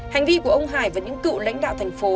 hành vi của ông hải và những cựu lãnh đạo thành phố